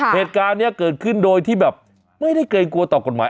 เหตุการณ์นี้เกิดขึ้นโดยที่แบบไม่ได้เกรงกลัวต่อกฎหมาย